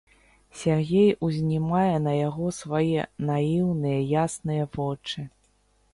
Сяргей узнімае на яго свае наіўныя, ясныя вочы.